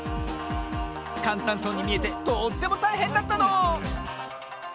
かんたんそうにみえてとってもたいへんだったの！